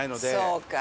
そうか。